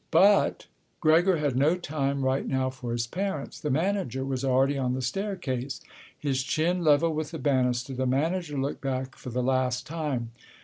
But Gregor had no time right now for his parents—the manager was already on the staircase. His chin level with the banister, the manager looked back for the last time.